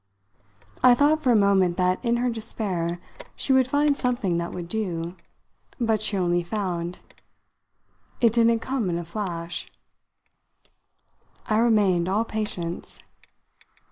I thought for a moment that, in her despair, she would find something that would do. But she only found: "It didn't come in a flash." I remained all patience.